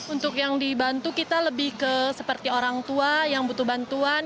untuk yang dibantu kita lebih ke seperti orang tua yang butuh bantuan